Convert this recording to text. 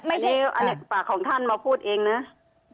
อันนี้ปากของท่านมาพูดเองเนี่ย